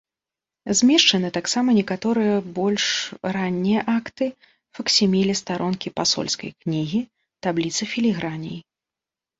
Змешчаны таксама некаторыя больш раннія акты, факсіміле старонкі пасольскай кнігі, табліца філіграней.